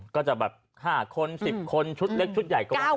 ก็จะแบบ๕คน๑๐คนชุดเล็กชุดใหญ่ก็ว่า